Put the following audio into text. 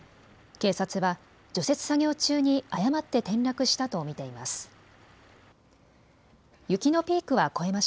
警察は除雪作業中に誤って転落したと見ています。